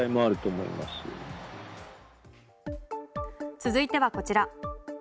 続いてはこちら。